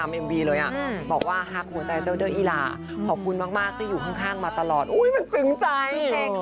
มีเจ้าอยู่เคียงข้างค่อย